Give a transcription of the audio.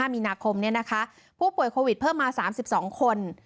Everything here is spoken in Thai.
มีนาคมผู้ป่วยโควิดเพิ่มมา๓๒คน